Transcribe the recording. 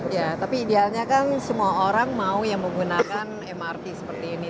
ya tapi idealnya kan semua orang mau yang menggunakan mrt seperti ini